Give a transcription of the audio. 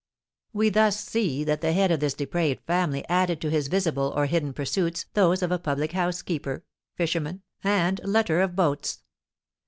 We thus see that the head of this depraved family added to his visible or hidden pursuits those of a public house keeper, fisherman, and letter of boats.